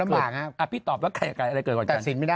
มันไม่มีที่สิ้นสุด